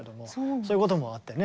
そういうこともあってね